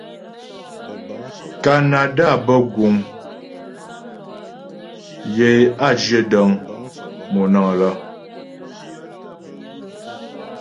Kanada bə́ guŋ yə a zhyə dəŋ monəŋ lə́.